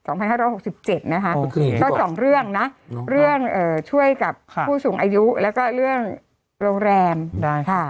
ก็สองเรื่องนะเรื่องช่วยกับผู้สูงอายุแล้วก็เรื่องโรงแรมได้ค่ะ